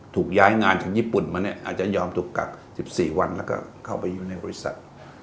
ถูกย้ายงานจากญี่ปุ่นมาเนี่ยอาจจะยอมถูกกัก๑๔วันแล้วก็เข้าไปอยู่ในบริษัท